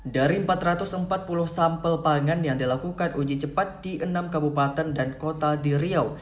dari empat ratus empat puluh sampel pangan yang dilakukan uji cepat di enam kabupaten dan kota di riau